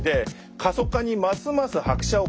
過疎化にますます拍車をかけると。